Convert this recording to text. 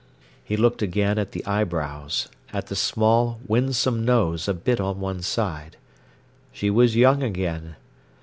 He looked again at the eyebrows, at the small, winsome nose a bit on one side. She was young again.